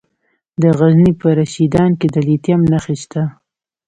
د غزني په رشیدان کې د لیتیم نښې شته.